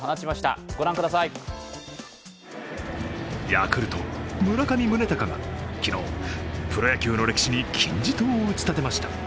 ヤクルト・村上宗隆が昨日、プロ野球の歴史に金字塔を打ち立てました。